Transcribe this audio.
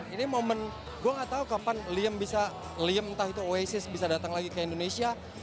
ini momen gue gak tau kapan liam bisa liem entah itu oisis bisa datang lagi ke indonesia